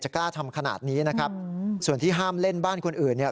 กล้าทำขนาดนี้นะครับส่วนที่ห้ามเล่นบ้านคนอื่นเนี่ย